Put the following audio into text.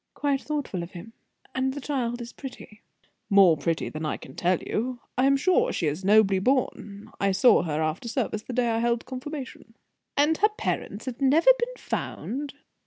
"Quite thoughtful of him; and the child is pretty?" "More pretty than I can tell you. I am sure she is nobly born. I saw her after service the day I held confirmation." "And her parents have never been found?"